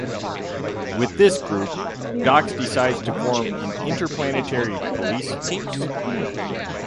With this group, Dox decides to form an interplanetary police force.